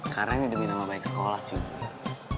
karena ini demi nama baik sekolah juga